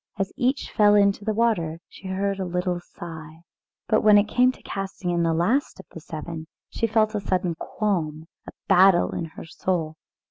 As each fell into the water she heard a little sigh. But when it came to casting in the last of the seven she felt a sudden qualm, and a battle in her soul.